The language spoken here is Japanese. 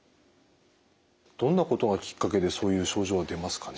どんなことがきっかけでそういう症状が出ますかね？